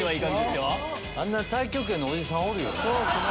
あんな太極拳のおじさんおるよね。